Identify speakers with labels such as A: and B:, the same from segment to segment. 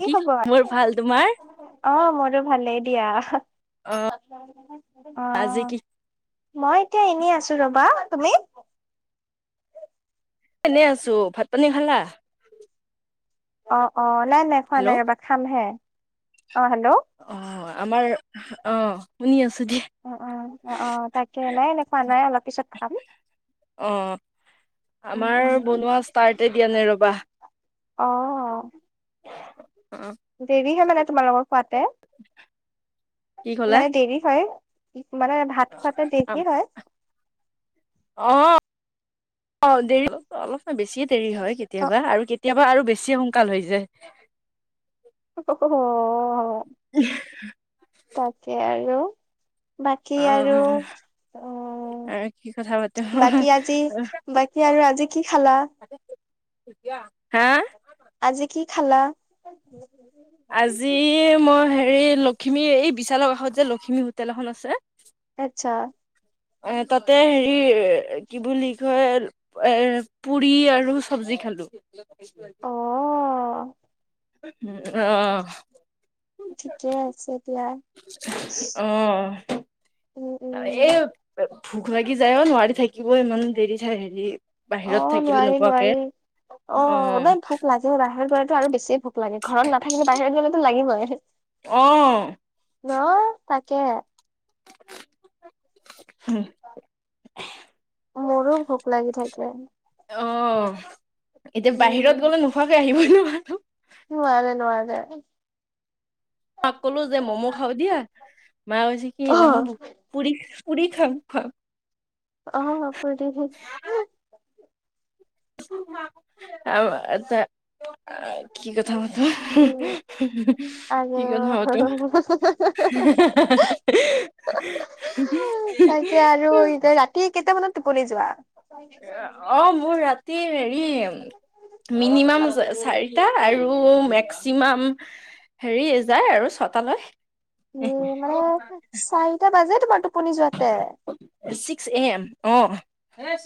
A: কি খবৰ
B: মোৰ ভাল তোমাৰ
A: অ মোৰো ভালেই দিয়া।
B: অ আজি
A: অ',
B: কি
A: মই এতিয়া এনে আছো ৰবা তুমি?
B: এনে আছো ভাত পানী খালা।
A: অ', অ', নাই নাই খোৱা নাই
B: হেল্ল'
A: ৰবা খামহে অ', হেল্ল।
B: অ', আমাৰ অ', শুনি আছো দে
A: অ', অ', অ', অ', তাকে নাই এনেখোৱা নাই অলপ পিছত খাম।
B: অ',
A: উম
B: আমাৰ
A: উম।
B: বনোৱা ষ্টাৰ্টে দিয়া নাই ৰবাহ।
A: অ'।
B: অ
A: দেৰি হয় মানে তোমালোকৰ খোৱাতে
B: কি ক'লা
A: মানে দেৰি হয় মানে ভাত
B: অ
A: খোৱাতে দেৰি হয়?
B: অ দেৰি অলপ বেছিয়ে দেৰি হয়
A: অ'
B: কেতিয়াবা আৰু কেতিয়াবা আৰু বেছি হোন কালৈ যায় -
A: অ অ তাকে আৰু। বাকী
B: অ
A: আৰু অ - উম,
B: আৰু কি কথা পাতো
A: বাকী আজি বাকী আৰু আজি কি খালা?
B: হা?
A: আজি কি খালা? [unintelligible]
B: আজি মই হেৰি লখিমী এই বিশালৰ কাষত যে লখিমী হোটেল এখন আছে -
A: আচ্ছা।
B: এ তাতে হেৰি কি বুলি কয় - এ পুৰি আৰু চবজি খালো।
A: অ
B: উম অ।
A: ঠিকেই আছে দিয়া,
B: অ',
A: উম উম।
B: এ ভোক লাগি যায় অ নোৱাৰি থাকিব ইমান দেৰি চাই হেৰি -
A: অ নোৱাৰি নোৱাৰি অ এনেই ভোগ লাগে - অ বাহিৰত গ'লেতো আৰু বেছি ভোক লাগে ঘৰত নাথাকিলে বাহিৰত গ'লেতো লাগিবই।
B: অ।
A: ন তাকে।
B: হুম।
A: মোৰো ভোক লাগি থাকে।
B: অ এতিয়া বাহিৰত
A: উম
B: গ'লে নোখোৱাকৈ আহিবই নোৱাৰোঁ।
A: নোৱাৰে নোৱাৰে।
B: মাক কলো যে ম'ম খাও দিয়া, মায়ে কৈছে কি
A: অ
B: নহব। পুৰি পুৰি খাম খাম।
A: অ পুৰি ভোজ
B: আও এটা - এ কি কথা পাতো,
A: উম আৰু
B: কি কথা পাতো।
A: [unintelligible]
B: [unintelligible]
A: কি কেইটা মানত টোপনি যোৱা?
B: মোৰ ৰাতি হেৰি মিনিমাম চাৰিটাত। আৰু মেক্সিমাম হেৰি যায় আৰু ছটালৈ। [unintelligible]
A: টা বাজে তোমাৰ টোপনি যোৱাতে?
B: ছিক্স এ এম অ।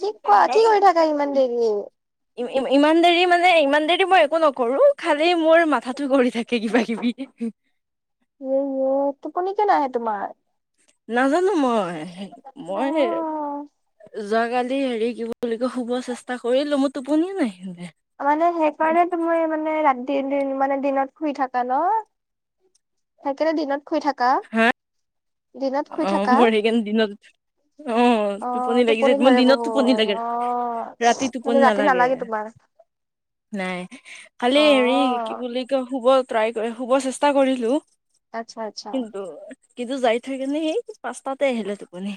A: কি কোৱা কি কৰি থাকা ইমান দেৰি ইয়ে
B: ইম ইম ইমান দেৰি মানে ইমান দেৰি মই একো নকৰোঁ খালি মোৰ মাথাটো ঘুৰি থাকে কিবা কিবি।
A: অ ৱাৰ টোপনি কিয় নাহে তোমাৰ?
B: নাজানোঁ মই,
A: অ
B: মই - যোৱাকালি হেৰি কি বুলি কয় শুব চেষ্টা কৰিলোঁ মই টোপনিয়ে নাহিলে।
A: মানে সেইকাৰণে টো মই মানে ৰাতি মানে দিনত শুই থাকা ন? সেইকাৰণে দিনত - শুই থাকা,
B: হা
A: দিনত
B: অ
A: শুই থাকা?
B: মোৰ সেইকাৰণে দিনত
A: অ
B: লাগি যায়
A: টোপনি
B: মোৰ
A: ধৰে
B: দিনত টোপনি লাগে
A: বহুত, অ
B: ৰাতি টোপনি
A: মানে ৰাতি নালাগে তোমাৰ? [unintelligible]
B: নাই,
A: অ
B: খালি হেৰি কি বুলি কয়, শুব ট্ৰাই কৰি, শুব চেষ্টা কৰিলো
A: আচ্ছা আচ্ছা
B: - কিন্তু, কিন্তু যাই থৈ কিনে সেই পাঁচটাতে আহিলে টোপনি।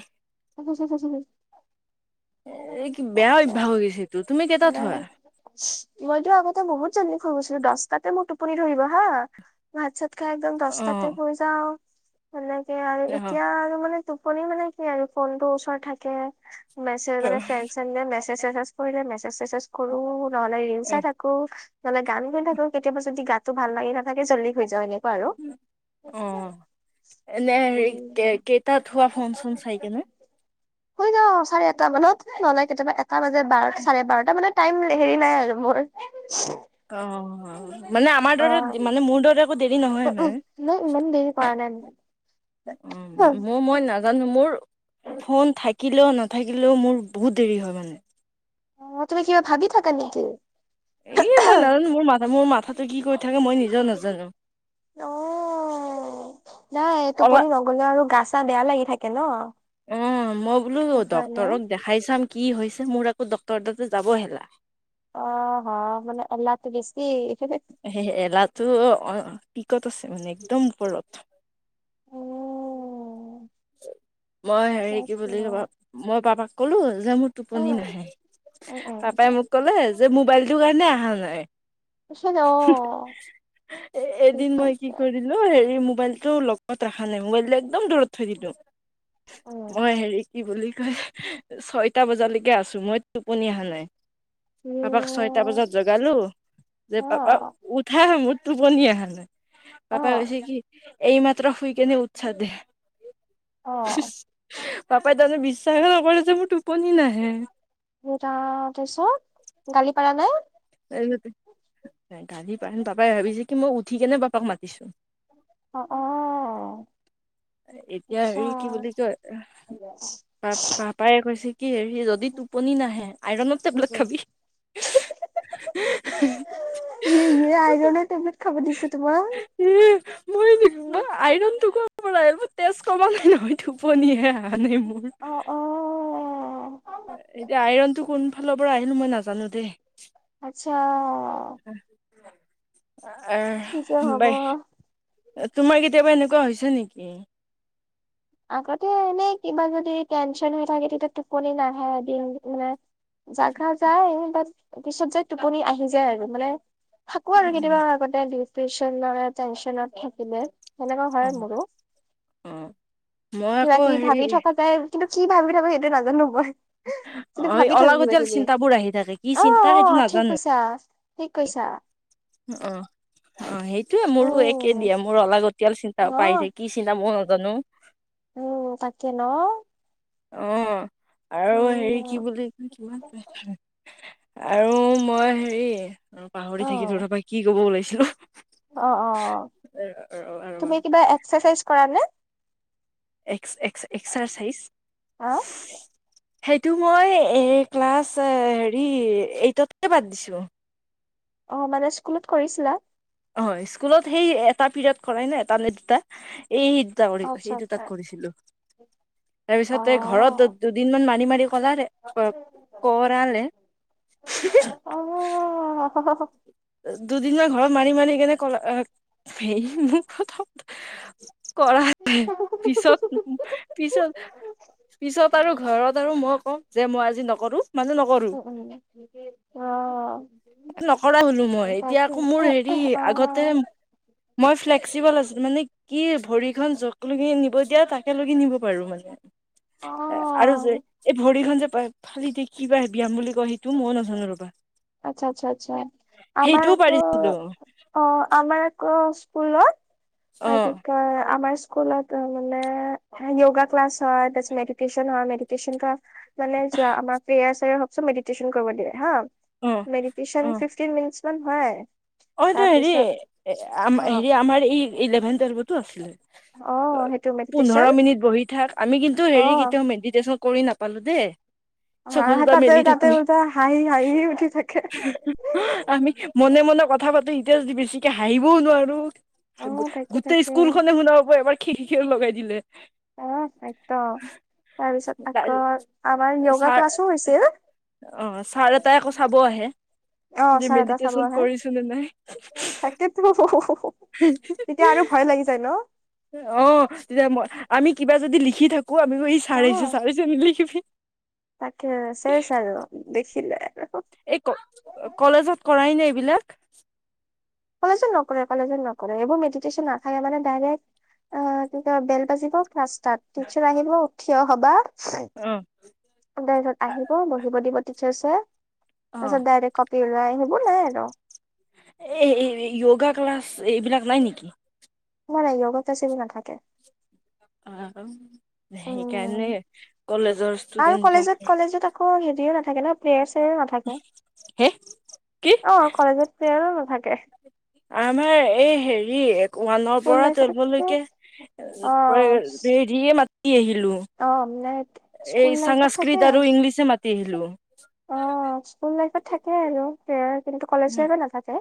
B: এ, কি বেয়া
A: তাকে
B: অভ্যাস হৈ গৈছে এইটো, তুমি কেইটাত
A: নাই
B: শুৱা?
A: মইতো আগতে বহুত জল্দি শুই গৈছিলো, দশটাতে মোৰ টোপনি ধৰিব হা। ভাত চাত খাই একদম
B: অ
A: দশটাতে শুই যাওঁ, সেনেকে আৰু
B: অ
A: এতিয়া আৰু মানে টোপনি মানে কি আৰু ফোনটো ওচৰত থাকে মেছেজ মানে ফ্ৰেন্ড চ্ৰেন্ড মেছেজ কৰিলে, মেছেজ চেছেজ কৰো, নহ'লে ৰিল
B: অ
A: চাই থাক কো নহ'লে গান গাই থাকো, কেতিয়াবা যদি গাতো ভাল লাগি নাথাকে জল্দি শুই যাওঁ এনে।
B: অ', এনে, হেৰি
A: উম।
B: কে-কেইটাত শুৱা ফোন চোন চাইকিনে।
A: [unintelligible] শুই যাওঁ, চাৰে এটা মানত, নহ'লে কেতিয়াবা এটা বাজে বাৰ, চাৰে বাৰটা মানে টাইম, হেৰি নাই আৰু মোৰ। [unintelligible]
B: অ', মানে আমাৰ দৰে, মানে মোৰ দৰে একো দেৰি নহয়
A: অ'
B: মানে।
A: নাই ইমান দেৰি কৰা নাই মানে।
B: অ', মোৰ মই না জানো মোৰ, ফোন থাকিলেও, নাথাকিলেও মোৰ বহুত দেৰি হয় মানে।
A: অ', তুমি কিবা ভাবি থাকা নেকি?
B: এই মই নাজানো, মোৰ মাথা, মোৰ মাথাটো কি কৰি থাকে মই নিজেও নাজানো।
A: অ', নাই
B: অলপ
A: টোপনি নগলে আৰু গা চা বেয়া লাগি থাকে ন'।
B: অ', মই বোলো
A: সেইকাৰণে
B: ডক্তৰক দেখাই চাম কি হৈছে, মোৰ আকৌ ডক্তৰ তাতে যাব এলাহ।
A: অ হ মানে এলাহটো বেছি [unintelligible]
B: [unintelligible] এলাহটো অ' পিকত আছে মানে, একদম ওপৰত।
A: উম,
B: মই হেৰি কি
A: তাকে
B: বুলি কয়, মই পাপাক কলো যে মোৰ টোপনি
A: উম,
B: নাহে।
A: উম,
B: পাপাই
A: উম।
B: মোক কলে যে, মোবাইলটো কাৰণে অহা নাই।
A: পিছত অ',
B: এ এ
A: ঠিক
B: এদিন মই কি
A: কৈছে
B: কৰি দিলো হেৰি, মোবাইলটো লগত ৰখা নাই, মোবাইলটো একদম দূৰত থৈ দিলো।
A: উম।
B: মই হেৰি কি বুলি কয়, ছয়টা বজালৈকে আছো, মই টোপনি অহা নাই। পাপাক ছয়টা বজাত জগালো, যে পাপা
A: অ',
B: উঠা ম টোপনি আহা নাই, পাপাই
A: অ',
B: কৈছে কি, এই মাত্ৰ শুই কেনে উঠিছা দে। চিচ,
A: অ',
B: পাপাই তাৰচত বিশ্বাসেই নকৰে যে, মোৰ টোপনি নাহে।
A: হে ৰাম তাৰছত, গালি পাৰা নাই?
B: [unintelligible] নাই গালি পাৰ পাপাই ভাবিছে কি, মই উঠি কেনে পাপাক মাতিছো।
A: অ', অ'।
B: এতিয়া
A: আচ্ছা।
B: হেৰি কি বুলি কয়, পাপ, পাপ পায়ে কৈছে কি হেৰি যদি টোপনি নাহে, আইৰণৰ টেবলেট খাবি।
A: য়ে য়ে আইৰনৰ টেবলেট খাব দিছে তোমাক?
B: [unintelligible] মই আইৰনটোক [unintelligible] মোৰ তেজ কমা নাই নহয়, টোপনিহে অহা নাই মোৰ।
A: অ', অ',
B: এতিয়া আইৰণটো কোন ফালৰ পৰা আহিল মই নাজানো দেই।
A: আচ্ছা।
B: আহ
A: কি যে হ'ব
B: বাই। তোমাৰ কেতিয়াবা এনেকুৱা হৈছে নেকি?
A: আগতে এনেই কিবা যদি টেনচন হৈ থাকে, তেতিয়া টোপনি নাহে, দিন মানে জাগা যায়, বাট পিছত যাই টোপনি আহি যায় আৰু মানে থাকো আৰু কেতিয়াবা আগতে ডিপ্ৰেচনৰ টেনচনত থাকিলে, সেনেকুৱা হয় মোৰো।
B: অঁ।
A: কিবা কিবি ভাবি থকা যায়, কিন্তু কি ভাবি থাকো সেইটো নাজানো মই। কিন্তু
B: অ
A: ভাবি থাকো
B: অলাগতিয়াল
A: কিবা-কিবি।
B: চিন্তাবোৰ আহি থাকে কি
A: অ
B: চিন্তা সেইটো
A: অ, ঠিক
B: নাজানো
A: কৈছা। ঠিক কৈছা।
B: অ, অ, সেইটোয়ে মোৰো একেই
A: উম
B: দিয়া, মোৰ অলাগতিয়াল চিন্তা সোপা আহি
A: অ',
B: থাকে। কি চিন্তা ম‌ও নাজানো।
A: উম, তাকে ন?
B: অ'আৰু হেৰি কি
A: উম
B: বুলি [unintelligible] আৰু মই হেৰি, পাহৰি থাকিলো
A: অ',
B: ৰ'বা কি ক'ব ওলাইছিলো।
A: অ, অ।
B: ৰবা
A: তুমি কিবা এক্সাচাইজ কৰানে?
B: এক্স-এক্স-এক্সাৰচাইজ?
A: অ,
B: সেইটো মই এ ক্লাছ এ হেৰি, এইটতে বাদ দিছোঁ।
A: অ, মানে স্কুলত কৰিছিলা?
B: অ, স্কুলত সেই এটা পিৰিয়ড কৰাইনে এটা নে দুটা, এই
A: অ,
B: [unintelligible]
A: আচ্ছা,
B: সেই
A: আচ্ছা,
B: দুটাত কৰিছিলোঁ।
A: অ,
B: তাৰপিছতে ঘৰত দু দুদিনমান মাৰি মাৰি কৰালে, ক কৰালে।
A: অ, অহ হ।
B: দুদিনমান ঘৰত মাৰি মাৰি সেইকাৰনে কল অহ হেই মুখত শব্দ কৰালে, পিছত পিছত, পিছত আৰু ঘৰত আৰু মই কওঁ যে, মই আজি নকৰোঁ মানে নকৰোঁ।
A: [unintelligible]
B: নকৰা হ'লো মই, এতিয়া
A: তাকে
B: আকৌ
A: অ,
B: মোৰ হেৰি, আগতে মই ফ্লেক্সিব'ল আছিলোঁ, মানে কি ভৰি খন য'ক লগি নিব দিয়া, তাকে লগি নিব পাৰোঁ মানে।
A: অ,
B: এ, আৰু যে, এই ভৰিখন যে ফালি দিয়ে, কি বা হে ব্যায়াম বুলি কয়, সেইটো মই নাজানো ৰ'বা।
A: আচ্ছা, আচ্ছা, আচ্ছা। আমাৰ
B: সেইটোও
A: আকৌ
B: পাৰিছিলো
A: অ, আমাৰ আকৌ স্কুলত, আ
B: অ
A: কি কয়? আমাৰ স্কু স্কুলত মানে য়োগা ক্লাছ হয়, তাৰপিছত মেডিটেশ্যন হয়, মেডিটেশ্যন ক্লাছ। মানে যোৱা আমাৰ প্ৰেয়াৰ চাৰ অহা পিছত, মেডিটেশ্যন কৰিব দিয়ে হা।
B: অ অ
A: মেডিটেশ্যন ফিফটিন মিনিটছ মান হয়।
B: অ এইটো হেৰি,
A: তাৰপিছত
B: এই আম
A: অ
B: হেৰি আমাৰ এই ইলেভেন টুৱেলভতো আছিলে।
A: অ সেইটো
B: পোন্ধৰ
A: মেডিটেশ্যন
B: মিনিট বহি থাক। আমি কিন্তু,
A: অ
B: হেৰি কেতিয়াও মেডিটেশ্যন কৰি নাপালোঁ দেই।
A: অ
B: চকু দুটা
A: তাতে
B: মেলি
A: তাতে
B: থাকো
A: উলটা হাঁহি হাঁহিয়ে উঠি থাকে।
B: আমি মনে মনে কথা পাতো, এতিয়া যদি বেছিকে হাঁহিবও নোৱাৰোঁ।
A: অ
B: গো
A: তাকে
B: গোটেই
A: তাকে
B: স্কুলখনে শুনা পাব, এবাৰ খিড়িকী য়ে লগাই দিলে।
A: উমহ একদম। তাৰপিছত,
B: ছাৰ
A: আকৌ আমাৰ য়োগা ক্লাছো হৈছিল।
B: অ, ছাৰ এটাই আকৌ চাব আহে।
A: অ,
B: যে
A: ছাৰ এটাই চাব
B: মেডিটেশ্যন
A: আহে।
B: কৰিছো নে নাই
A: তাকে টো, তেতিয়া আৰু ভয় লাগি যায় ন?
B: অ, তেতিয়া মই, আমি কিবা যদি লিখি থাকোঁ, আমি [unintelligible] ছাৰ
A: অ
B: আহিছে, ছাৰ আহিছে নিলিখিবি।
A: তাকে চেচ আৰু দেখিলে।
B: এই ক কলেজত কৰাই নে এইবিলাক?
A: কলেজত নকৰে, কলেজত নকৰে। এইবোৰ মেডিটেশ্যন নাথাকে মানে ডাইৰেক্ট অ, কি কয়, বেল বাজিব ক্লাছ ষ্টাৰ্ট। টিচাৰ আহিব উ, ঠিয় হ'বা
B: অ'।
A: অ', তাৰপাছত আহিব, বহিব দিব টিচাৰছে।
B: অ
A: তাৰপিছত ডাইৰেক্ট কপি ওলাই আহিব, নাই আৰু
B: এই হেৰি য়ো-য়োগা ক্লাছ, এইবিলাক নাই নেকি?
A: নাই, নাই য়োগা ক্লাছ, এইবোৰ নাথাকে।
B: অ', আকৌ।
A: উম
B: সেইকাৰণে কলেজৰ ষ্টো
A: আৰু কলেজত, কলেজত আকৌ হেৰিও নাথাকে ন, প্ৰেয়াৰ চেয়াৰো নাথাকে।
B: হে কি
A: অ', কলেজত প্ৰেয়াৰো নাথাকে।
B: আমাৰ এই হেৰি এক, ওৱানৰ
A: স্কুল
B: পৰা
A: লাইফত
B: টুৱেলভৰলৈকে
A: অ
B: [unintelligible] দেৰিয়ে মাতি আহিলো।
A: অ মানে স্কুল
B: এই
A: লাইফত
B: সংস্কৃত
A: থাকে
B: আৰু ইংলিছে মাতি আহিলো।
A: অ', স্কুল লাইফত থাকে আৰু প্ৰেয়াৰ, কিন্তু কলেজ লাইফত নাথাকে।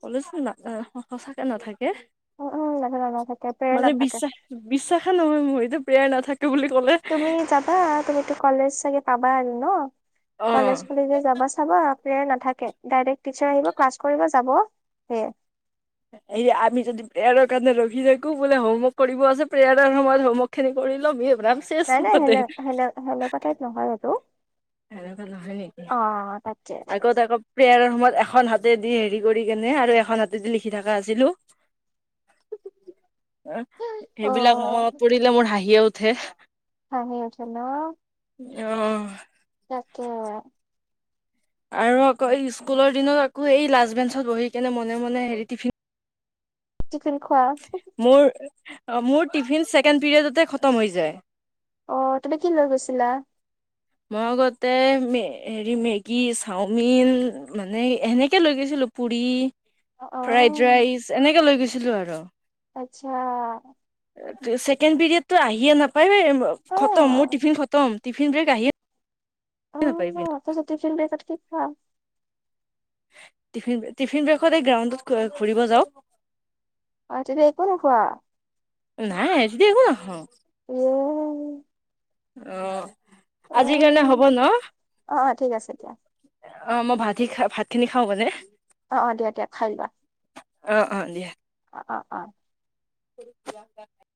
B: কলেজত না অ', স স আ, সঁচাকে নাথাকে।
A: উম, উম, নাথাকে, নাথাকে প্ৰেয়াৰ নাথাকে।
B: বি-বিশ্বাসে নহয় মোৰ, এইটো প্ৰেয়াৰ নাথাকে বুলি ক'লে।
A: তুমি যাবা, তুমিটো কলেজ চাগে পাবা আৰু ন!
B: অ
A: কলেজ খুলিলে যাবাচো চাবা, প্ৰেয়াৰ নাথাকে। ডাইৰেক্ট টিচাৰ আহিব ক্লাছ কৰিব যাব, সেয়াই।
B: এই আমি যদি প্ৰেয়াৰৰ কাৰণে ৰখি থাকো বোলে হোমৱৰ্ক কৰিব আছে, প্ৰেয়াৰৰ সময়ত হোমৱৰ্ক ক খিনি কৰি লম, হে ৰাম। চেচ
A: নাই, নাই,
B: মুঠতে
A: সেনে সেনে সেনেকুৱা টাইপ নহয় হেইটো।
B: সেনেকুৱা নহয় নেকি?
A: অ', তাকে।
B: আগত আকৌ, প্ৰেয়াৰৰ সময়ত এখন হাতেদি হেৰি কৰি কেনে আৰু এখন হাতেদি লিখি থকা আছিলোঁ। এ সেইবিলাক
A: অ',
B: মনত পৰিলে মোৰ হাঁহিয়ে উঠে।
A: হাঁহি উঠে ন?
B: অ'।
A: তাকেহে।
B: আৰু আকৌ এই স্কুলৰ দিনত আকৌ এই লাষ্ট বেঞ্চত বহি কেনে মনে, মনে, হেৰি টিফিন
A: চিকেন খোৱা?
B: মোৰ, মোৰ টিফিন ছেকেণ্ড পিৰিয়ডতে খতম হৈ যায়।
A: অ', তুমি কি লৈ গৈছিলা?
B: মই আগতে মে হেৰি মেগী, চাওমিন মানে সেনেকে লৈ গৈছিলো পুৰি, ফ্ৰাইড
A: অ',
B: ৰাইচ এনেকৈ লৈ গৈছিলোঁ আৰু।
A: আচ্ছা।
B: এ ছেকেণ্ড পিৰিয়ডটো আহিয়ে নাপায় এ, ব খতম, মোৰ
A: অ'।
B: টিফিন খতম। টিফিন ব্ৰেক আহিয়ে নাপায়
A: অ', তেন্তে টিফিন ব্ৰেকত কি খোৱা?
B: টিফিন, টিফিন ব্ৰেকত এই গ্ৰাউণ্ডটোত ঘূ এ, ফুৰিব যাওঁ।
A: অ', তেতিয়া একো নোখোৱা?
B: নাই, তেতিয়া একো নাখাওঁ।
A: উম
B: অ',
A: অ
B: আজি কাৰণে হ'ব ন!
A: অ অ ঠিক আছে দিয়া
B: অ', মই ভাত হি, খা ভাতখিনি খাওঁ মানে।
A: অ', অ', দিয়া, দিয়া, খাই লোৱা।
B: অ', অ', দিয়া।
A: অ', অ', অ'।
B: [unintelligible]